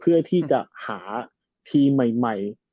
เพื่อที่จะหาทีมใหม่